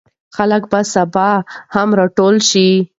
خلک به سبا هم راټول شي.